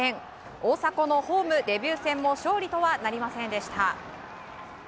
大迫のホームデビュー戦も勝利とはなりませんでした。